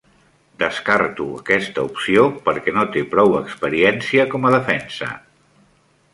Descarto aquesta opció perquè no té prou experiència com a defensa.